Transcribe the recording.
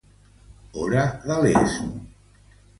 Hora de l'Est.